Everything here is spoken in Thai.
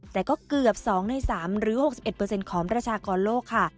แต่ก็เกือบ๒ใน๓หรือ๖๑เปอร์เซ็นต์ของราชากรโลกค่ะ